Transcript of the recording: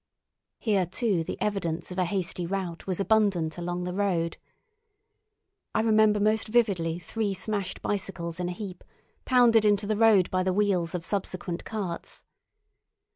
Here too the evidence of a hasty rout was abundant along the road. I remember most vividly three smashed bicycles in a heap, pounded into the road by the wheels of subsequent carts.